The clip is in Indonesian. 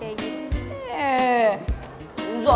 uzon aja sama orang